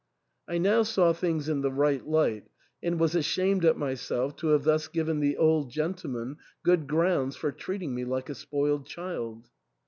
I now saw things in the right light, and was ashamed at myself to have thus given the old gentleman good grounds for treating me like a spoiled child.